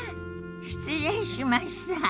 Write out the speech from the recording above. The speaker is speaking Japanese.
失礼しました。